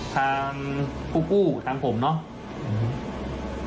ตามกู้กู้ตามผมเนาะ